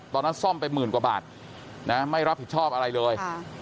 ซ่อมไปหมื่นกว่าบาทนะไม่รับผิดชอบอะไรเลย